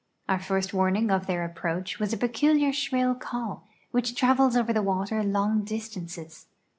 Our first warning of their approacli was a peculiar slirill call, wliidi tiavels over the water long distances.